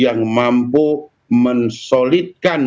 yang mampu mensolidkan